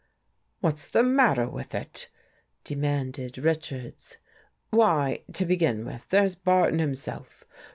"What's the matter with it?" demanded Rich ards. " Why, to begin with, there's Barton himself.